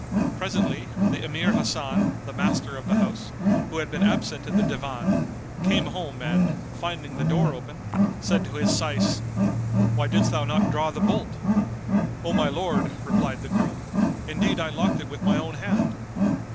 [FN#232] Presently, the Emir Hasan, the master of the house, who had been absent at the Divan, came home and, finding the door open, said to his Syce, "Why didst thou not draw the bolt?" "O my lord," replied the groom, "indeed I locked it with my own hand."